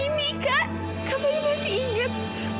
ini kak kabarnya masih ingat